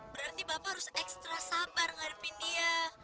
berarti bapak harus ekstra sabar menghadapi dia